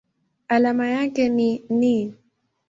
Alama yake ni Ni.